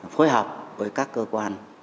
phối hợp với các cơ quan